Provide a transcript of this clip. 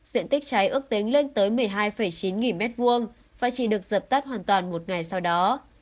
diện tích cháy ước tính lên tới một mươi hai chín nghìn mét vuông và chỉ được dập tắt hoàn toàn một ngày sau đó